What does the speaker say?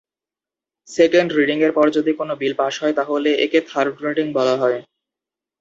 Second রিডিংয়ের পর যদি কোনো বিল পাশ হয় তাহলে একে থার্ড রিডিং বলা হয়।